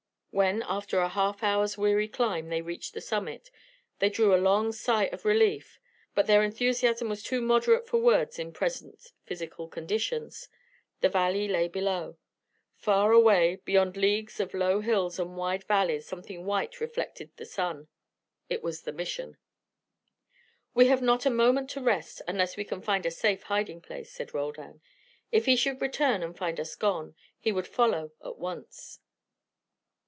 When after a half hour's weary climb, they reached the summit, they drew a long sigh of relief, but their enthusiasm was too moderate for words in present physical conditions. The valley lay below. Far away, beyond leagues of low hills and wide valleys something white reflected the sun. It was the Mission. "We have not a moment to rest, unless we can find a safe hiding place," said Roldan. "If he should return and find us gone, he would follow at once."